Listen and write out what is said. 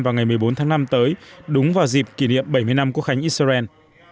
vào ngày một mươi bốn tháng năm tới đúng vào dịp kỷ niệm bảy mươi năm quốc khánh israel